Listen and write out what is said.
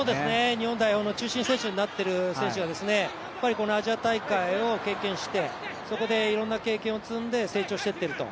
日本代表の中心選手になっている選手がこのアジア大会を経験してそこで、いろんな経験を積んで成長していってると。